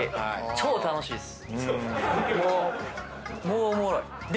超楽しいっす。